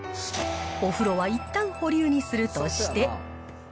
お風呂はいったん保留にするとして。